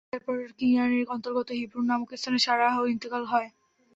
তারপর কিনআনের অন্তর্গত হিবরূন নামক স্থানে সারাহর ইনতিকাল হয়।